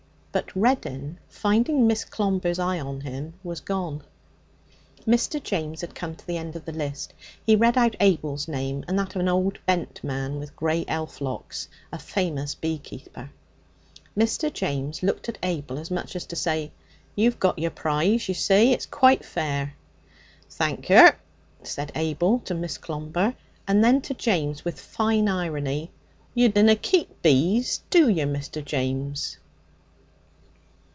But Reddin, finding Miss Clomber's eye on him, was gone. Mr. James had come to the end of the list. He read out Abel's name and that of an old bent man with grey elf locks, a famous bee master. Mr. James looked at Abel as much as to say, 'You've got your prize, you see! It's quite fair.' 'Thank yer,' said Abel to Miss Clomber, and then to James with fine irony: 'You dunna keep bees, do yer, Mr. James?'